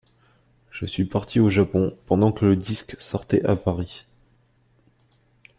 Je suis partie au Japon pendant que le disque sortait à Paris.